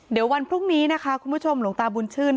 เดี๋ยววันพรุ่งนี้นะคะคุณผู้ชมหลวงตาบุญชื่น